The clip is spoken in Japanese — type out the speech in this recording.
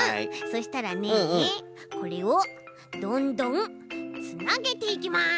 そしたらねこれをどんどんつなげていきます！